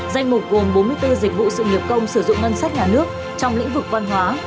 danh mục gồm bốn mươi bốn dịch vụ sự nghiệp công sử dụng ngân sách nhà nước trong lĩnh vực văn hóa